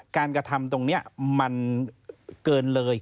กระทำตรงนี้มันเกินเลย